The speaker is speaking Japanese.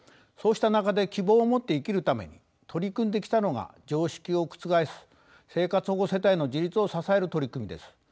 そうした中で希望を持って生きるために取り組んできたのが常識を覆す生活保護世帯の自立を支える取り組みです。